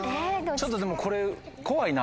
ちょっとでもこれ怖いな。